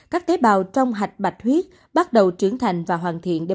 các tế bào trong hạch bạch bạch huyết bắt đầu trưởng thành và hoàn thiện